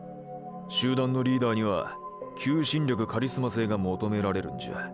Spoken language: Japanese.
集団のリーダーには求心力カリスマ性が求められるんじゃ。